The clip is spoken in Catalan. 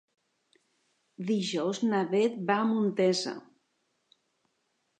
Dijous na Bet va a Montesa.